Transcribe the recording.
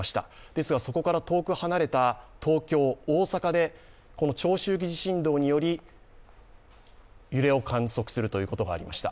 ですがそこから遠く離れた東京、大阪で長周期地震動により揺れを観測するということがありました。